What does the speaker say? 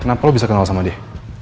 kenapa lo bisa kenal sama dia